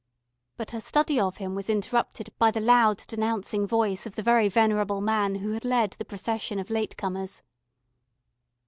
But her study of him was interrupted by the loud denouncing voice of the very venerable man who had led the procession of late comers.